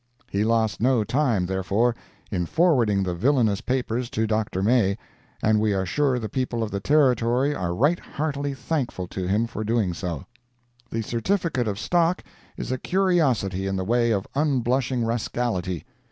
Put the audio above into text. He lost no time, therefore, in forwarding the villainous papers to Dr. May, and we are sure the people of the Territory are right heartily thankful to him for doing so. The certificate of stock is a curiosity in the way of unblushing rascality.